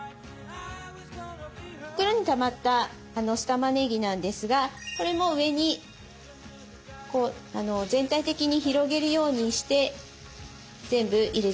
袋にたまった酢たまねぎなんですがこれも上に全体的に広げるようにして全部入れちゃってください。